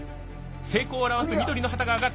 成功を表す緑の旗が上がった！